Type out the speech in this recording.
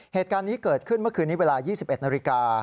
เหตุการณ์นี้เกิดขึ้นเมื่อคืนนี้เวลา๒๑นาฬิกา